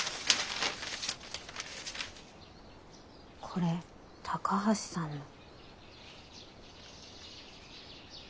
これ高橋さんの。